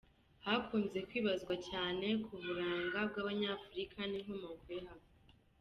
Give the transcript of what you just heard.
Hakunze kwibazwa cyane ku buranga bw’Abanyafurika n’inkomoko yabwo.